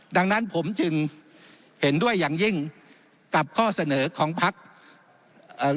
ดังนั้นผมจึงเห็นด้วยอย่างยิ่งกับข้อเสนอของพักเอ่อ